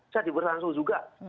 saya dipilih langsung juga